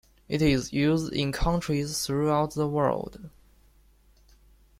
It is used in countries throughout the world.